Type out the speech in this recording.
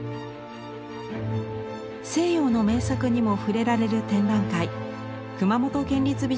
西洋の名作にも触れられる展覧会。